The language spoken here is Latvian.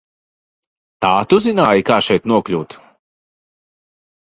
Tā tu zināji, kā šeit nokļūt?